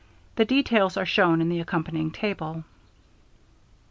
The details are shown in the accompanying table.